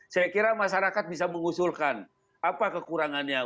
saya kira masyarakat bisa mengusulkan apa kekurangannya